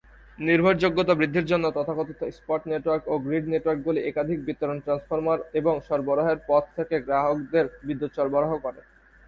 নির্ভরযোগ্যতা বৃদ্ধির জন্য, তথাকথিত স্পট নেটওয়ার্ক ও গ্রিড নেটওয়ার্কগুলি একাধিক বিতরণ ট্রান্সফর্মার এবং সরবরাহের পথ থেকে গ্রাহকদের বিদ্যুৎ সরবরাহ করে।